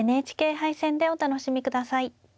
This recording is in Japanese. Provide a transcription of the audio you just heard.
ＮＨＫ杯戦でお楽しみ下さい。